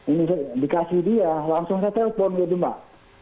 ini dikasih dia langsung saya telpon gitu mbak